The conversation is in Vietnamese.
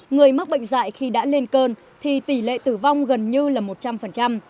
người mắc bệnh dạy khi đã lên cơn thì tỷ lệ tử vong gần như là một trăm linh